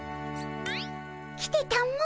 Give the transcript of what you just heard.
来てたも。